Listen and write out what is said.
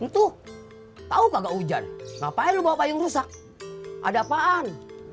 tuh tau kagak hujan ngapain lu bawa payung rusak ada apaan